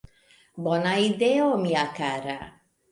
Bona ideo, mia kara!